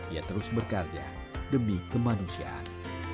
ia terus berkarya demi kemanusiaan